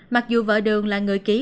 mặc dù vợ đường là người ký